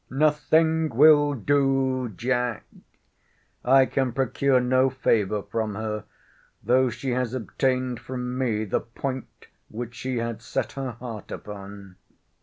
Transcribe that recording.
Nothing will do, Jack!—I can procure no favour from her, though she has obtained from me the point which she had set her heart upon.